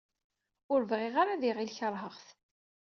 Ur bɣiɣ ara ad iɣil kerheɣ-t.